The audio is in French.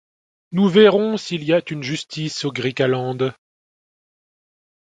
Nous verrons s’il y a une justice au Griqualand !